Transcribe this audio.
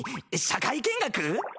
社会見学？